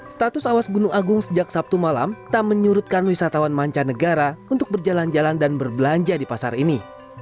status awas gunung agung sejak sabtu malam tak menyurutkan wisatawan mancanegara untuk berjalan jalan dan berbelanja di pasar ini